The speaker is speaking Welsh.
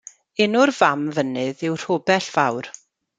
Enw'r fam fynydd yw Rhobell Fawr.